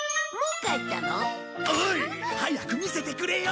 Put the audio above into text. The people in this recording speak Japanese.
早く見せてくれよ！